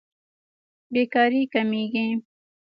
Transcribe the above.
بېکاري کمېږي.